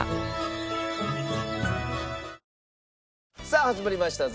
さあ始まりました